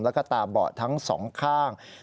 แล้วก็ตาเบาะทั้งสองข้าง